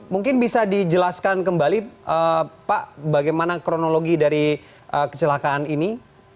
mungkin bisa dijelaskan kembali pak bagaimana kronologi dari kecelakaan ini